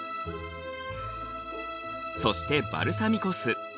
そしてバルサミコ酢。